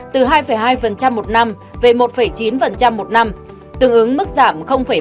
từ hai hai một năm về một chín một năm tương ứng mức giảm ba mươi